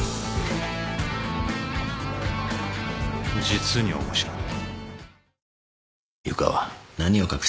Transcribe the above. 実に面白い。